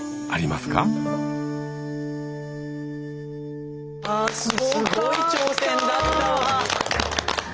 すごい挑戦だったわ。